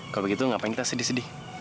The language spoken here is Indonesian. kalau begitu gak pengen kita sedih sedih